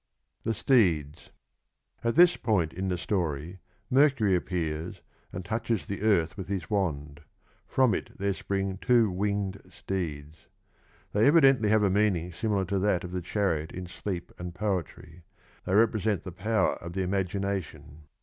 Tiie steeds. ^t this point in the story Mercury appears and touches the earth with his wand. From it there spring two winged steeds. They evidently have a meaning similar to that of the chariot in Sleep and Poetry : they represent the power of the imagination.